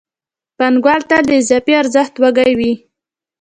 پانګوال تل د اضافي ارزښت وږی وي